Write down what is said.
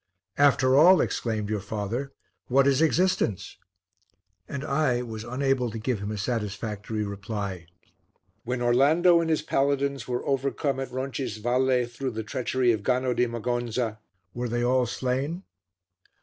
"After all," exclaimed your father, "what is existence?" And I was unable to give him a satisfactory reply. When Orlando and his Paladins were overcome at Roncisvalle through the treachery of Gano di Magonza, were they all slain?